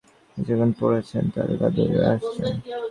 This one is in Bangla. কিছুক্ষণ পড়ছেন, তারপর গা দুলিয়ে হাসছেন।